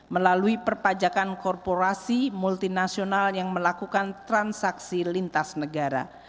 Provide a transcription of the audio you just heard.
melalui perpajakan korporasi multinasional yang melakukan transaksi lintas negara